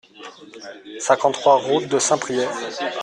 cinquante-trois route de Saint-Priest